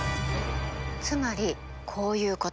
つまりこういうこと。